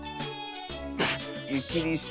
ゆきりして。